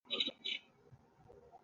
هغه یو مناسب فرصت پیدا کړي.